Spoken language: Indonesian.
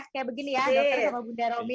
kayak begini ya dokter sama bunda romi